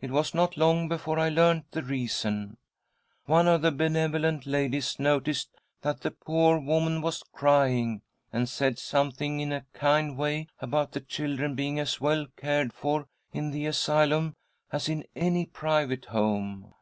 It was not. long before I learnt the reason. One of the benevolent ladies noticed that the poor woman was crying, and ——..;'. SISTER EDITH PLEADS WITH DEATH 115 said something in a kind way about the children being as well cared for in the asylum as in any private home.